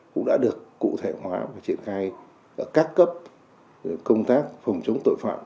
cũng đã được cụ thể hóa và triển khai ở các cấp công tác phòng chống tội phạm